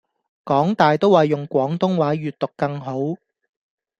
港大都話用廣東話閱讀更好